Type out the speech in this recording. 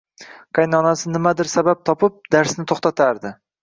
Qaynonasi nimadir sabab topib, darsni toʻxtatardi